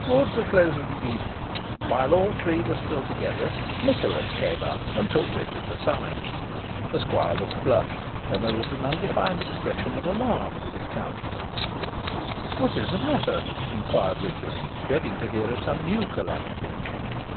Towards the close of the evening, while all three were still together. Nicholas came up and took Richard aside. The squire looked flushed; and there was an undefined expression of alarm in his countenance. "What is the matter?" inquired Richard, dreading to hear of some new calamity.